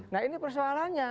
nah ini persoalannya